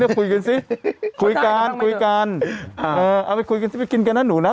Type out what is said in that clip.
คุยกันสิคุยกันคุยกันเอาไปคุยกันซิไปกินกันนะหนูนะ